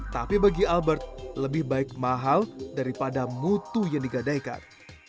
tapi bagi albert lebih baik mahal daripada mutu yang digadaikan